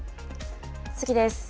次です。